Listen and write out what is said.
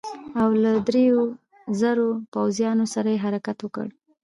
او له دریو زرو پوځیانو سره یې حرکت وکړ.